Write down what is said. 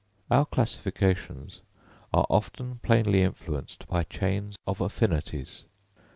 Our classifications are often plainly influenced by chains of affinities.